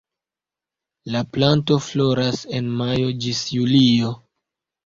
La planto floras en majo ĝis julio.